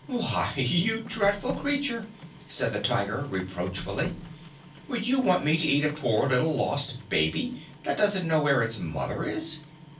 "Why, you dreadful creature!" said the Tiger reproachfully; "would you want me to eat a poor little lost baby, that doesn't know where its mother is?"